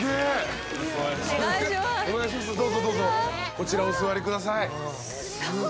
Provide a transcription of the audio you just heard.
こちらお座りください。